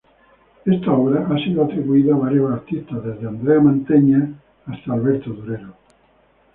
Esta obra ha sido atribuida a varios artistas, desde Andrea Mantegna hasta Alberto Durero.